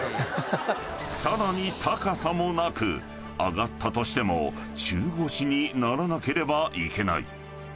［さらに高さもなく上がったとしても中腰にならなければいけない］